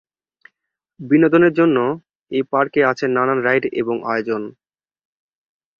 বিনোদনের জন্য এই পার্কে আছে নানান রাইড এবং আয়োজন।